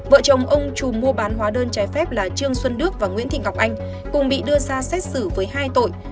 vợ chồng ông trù mua bán hóa đơn trái phép là trương xuân đức và nguyễn thị ngọc anh cùng bị đưa ra xét xử với hai tội